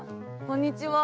こんにちは。